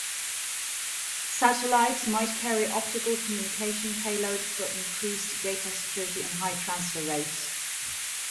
Satellites might carry optical communication payload for increased data security and high transfer rates.